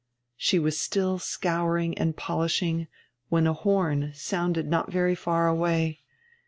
She was still scouring and polishing, when a horn sounded not very far away.